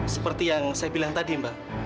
seperti yang saya bilang tadi mbak